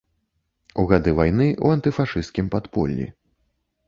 У гады вайны ў антыфашысцкім падполлі.